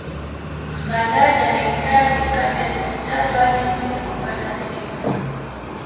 Mpandaji anahitaji kati ya siku tatu hadi nne za kupanda mlima